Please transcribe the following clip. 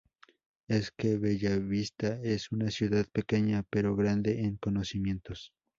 Es que Bellavista es una ciudad pequeña pero grande en conocimientos.